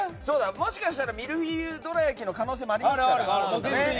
もしかしたらミルフィーユどら焼きの可能性もありますから。